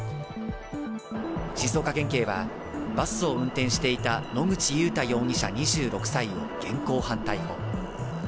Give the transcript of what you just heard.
静岡県警は、バスを運転していた野口祐太容疑者２６歳を現行犯逮捕。